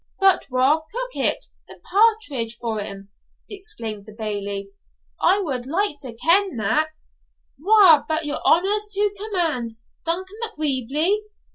'But wha cookit the parritch for him?' exclaimed the Bailie; 'I wad like to ken that; wha but your honour's to command, Duncan Macwheeble?